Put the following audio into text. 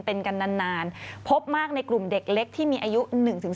เป็นกันนานพบมากในกลุ่มเด็กเล็กที่มีอายุ๑๓